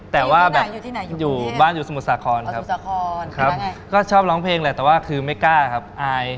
แต่ว่าแบบอยู่บ้านอยู่สมุทรสาครครับสมุทรสาครครับก็ชอบร้องเพลงแหละแต่ว่าคือไม่กล้าครับอาย